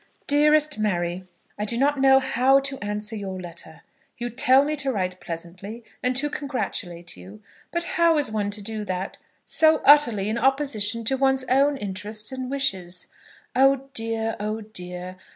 DEAREST MARY, I do not know how to answer your letter. You tell me to write pleasantly, and to congratulate you; but how is one to do that so utterly in opposition to one's own interests and wishes? Oh dear, oh dear!